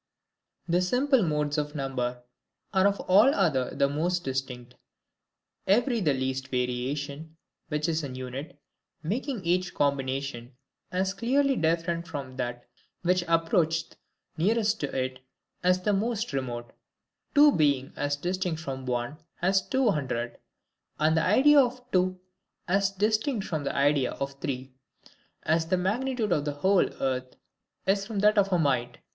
The SIMPLE MODES of NUMBER are of all other the most distinct; every the least variation, which is an unit, making each combination as clearly different from that which approacheth nearest to it, as the most remote; two being as distinct from one, as two hundred; and the idea of two as distinct from the idea of three, as the magnitude of the whole earth is from that of a mite.